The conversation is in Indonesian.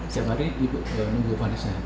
setiap hari nunggu vanessa